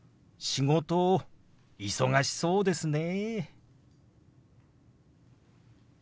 「仕事忙しそうですね」。